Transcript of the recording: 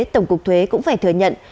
tổng cục thuế cũng phải thừa nhận